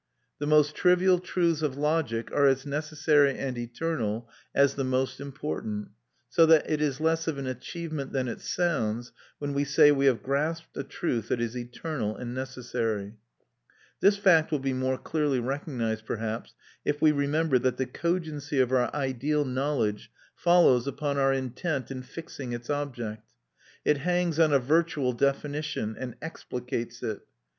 The most trivial truths of logic are as necessary and eternal as the most important; so that it is less of an achievement than it sounds when we say we have grasped a truth that is eternal and necessary. This fact will be more clearly recognised, perhaps, if we remember that the cogency of our ideal knowledge follows upon our intent in fixing its object. It hangs on a virtual definition, and explicates it.